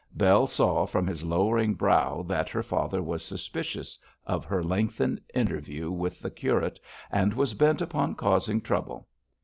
Bell saw from his lowering brow that her father was suspicious of her lengthened interview with the curate, and was bent upon causing trouble.